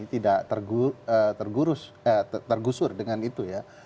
tidak tergusur dengan itu ya